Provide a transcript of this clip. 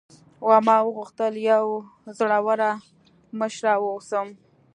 او ما غوښتل یوه زړوره مشره واوسم.